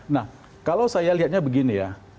nah kalau saya lihatnya begini ya